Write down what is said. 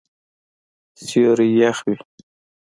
سیوری یخ وی